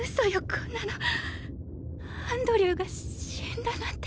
こんなのアンドリューが死んだなんて。